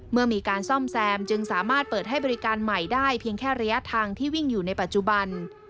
เมื่อมีการซ่อมแซมจึงสามารถเปิดให้บริการใหม่ได้เพียงแค่ระยะทางที่วิ่งอยู่ในปัจจุบัน